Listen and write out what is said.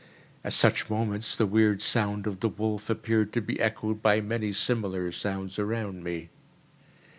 At such moments the weird sound of the wolf appeared to be echoed by many similar sounds around me.